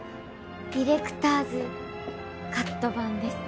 ディレクターズカット版です。